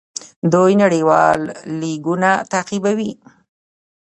دوی نړیوال لیګونه تعقیبوي.